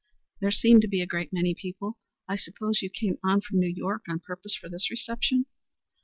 "There seem to be a great many people. I suppose you came on from New York on purpose for this reception?"